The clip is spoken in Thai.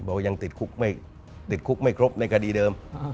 บอกว่ายังติดคุกไม่ติดคุกไม่ครบในคดีเดิม